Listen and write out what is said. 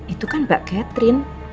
itu kan mbak catherine